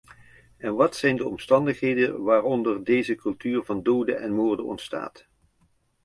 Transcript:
En wat zijn de omstandigheden waaronder deze cultuur van doden en moorden ontstaat?